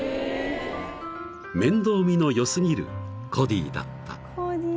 ［面倒見の良過ぎるコディだった］